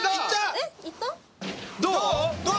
どう？